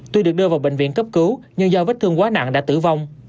tuy được đưa vào bệnh viện cấp cứu nhưng do vết thương quá nặng đã tử vong